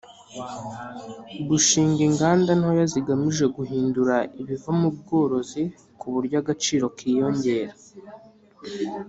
Gushing inganda ntoya zigamije guhindura ibiva mu bworozi ku buryo agaciro kiyongera